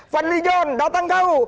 fadli john datang kau